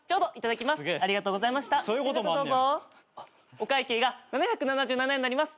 お会計が７７７円になります。